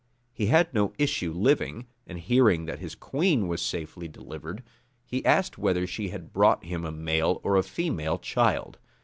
He had no issue living; and hearing that his queen was safely delivered, he asked whether she had brought him a male or a female child.